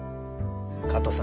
加藤さん